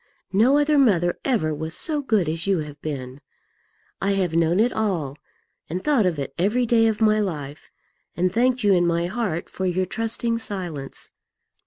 No other mother ever was so good as you have been. I have known it all, and thought of it every day of my life, and thanked you in my heart for your trusting silence.